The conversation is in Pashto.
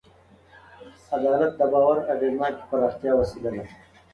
عدالت د باور د اغېزناکې پراختیا وسیله ده.